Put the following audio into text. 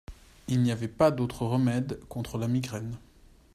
Il n'y avait pas d'autre remède contre la migraine.